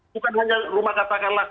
bukan hanya rumah katakanlah